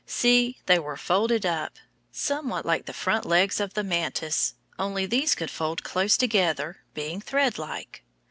See, they were folded up, somewhat like the front legs of the mantis, only these could fold close together, being threadlike.